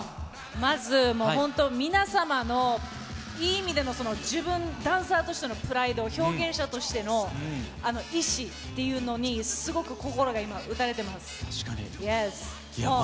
まず本当、皆様のいい意味での自分、ダンサーとしてのプライド、表現者としての意思っていうのに、すごく心が今、打たれてます。